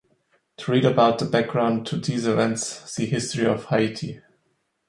To read about the background to these events, see History of Haiti.